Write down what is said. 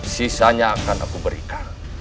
sisanya akan aku berikan